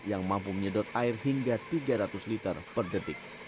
yang mampu menyedot air hingga tiga ratus liter per detik